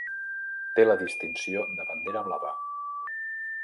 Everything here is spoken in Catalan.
Té la distinció de Bandera blava.